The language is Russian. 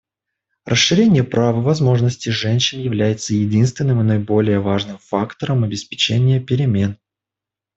Расширение прав и возможностей женщин является единственным и наиболее важным фактором обеспечения перемен.